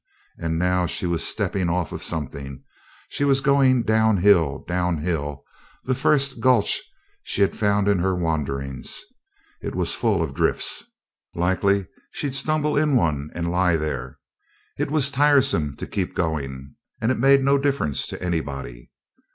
And now she was stepping off of something she was going down hill down hill the first gulch she had found in her wanderings. It was full of drifts, likely she'd stumble in one and lie there it was tiresome to keep going, and it made no difference to anybody.